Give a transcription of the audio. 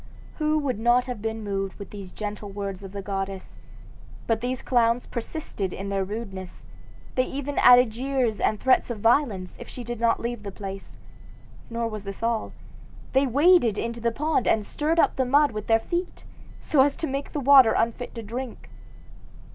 "Who would not have been moved with these gentle words of the goddess? But these clowns persisted in their rudeness; they even added jeers and threats of violence if she did not leave the place. Nor was this all. They waded into the pond and stirred up the mud with their feet, so as to make the water unfit to drink.